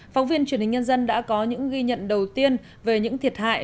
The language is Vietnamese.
phóng viên truyền hình nhân dân đã có những ghi nhận đầu tiên về những thiệt hại